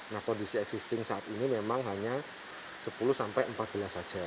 nah kondisi existing saat ini memang hanya sepuluh sampai empat belas saja